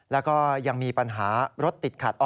แล้วก็ยังมีปัญหารถติดขัด